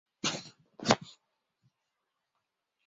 这种表示是否引起歧义或混淆依赖于上下文。